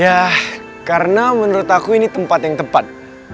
ya karena menurut aku ini tempat yang tepat